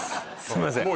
すいません